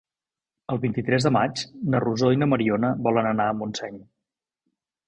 El vint-i-tres de maig na Rosó i na Mariona volen anar a Montseny.